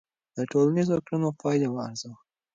د ټولنیزو کړنو پایلې وارزوه.